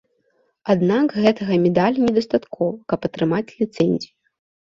Аднак гэтага медаля недастаткова, каб атрымаць ліцэнзію.